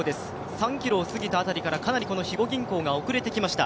３ｋｍを過ぎた辺りからかなり肥後銀行が遅れてきました。